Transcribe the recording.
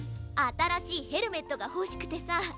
あたらしいヘルメットがほしくてさ。